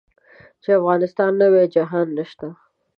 چې افغانستان نه وي جهان نشته.